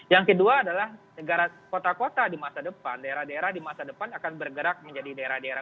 yang kedua adalah negara kota kota di masa depan daerah daerah di masa depan akan bergerak menjadi daerah daerah